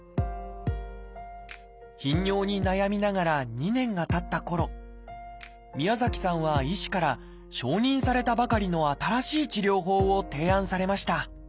頻尿に悩みながら２年がたったころ宮崎さんは医師から承認されたばかりの新しい治療法を提案されました。